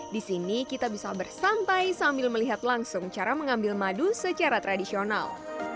di sini kita bisa bersantai sambil melihat langsung cara mengambil madu secara tradisional